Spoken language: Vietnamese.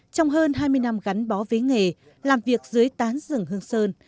trong hơn hai mươi năm gắn bó với nghề làm việc dưới tán rừng hương sơn